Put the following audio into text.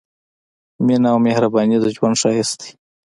مينه او مهرباني د ژوند ښايست دی